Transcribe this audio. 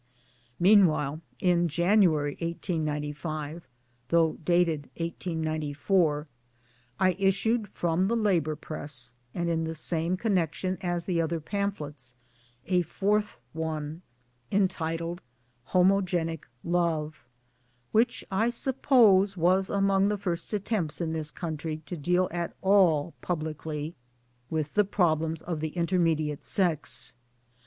Meanwhile, in January 1895 (though dated 1894) I issued from the Labour Press, and in the same connection as the other pamphlets, a fourth one, entitled Homogenic Love which I suppose was among the first attempts in this country to deal at all publicly with the problems of the Intermediate Sex.